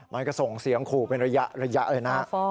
มันก็ส่งเสียงขู่เป็นระยะเลยนะฮะ